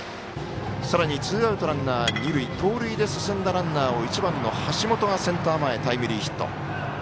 さらにツーアウトランナー、二塁盗塁で進んだランナーを１番の橋本がセンター前にタイムリーヒット。